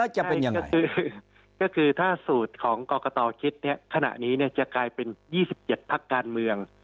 ก็คือถ้าสูตรของกรกตคิดขณะนี้จะกลายเป็น๒๗พักการเมือง